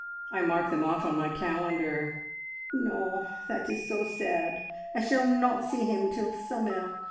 I mark them off on my calendar." "No, that is so sad, I shall not see him until summer!